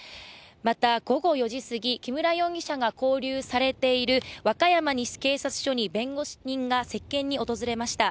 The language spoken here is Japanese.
また午後４時過ぎ、木村容疑者が勾留されている和歌山西警察署に弁護人が接見に訪れました。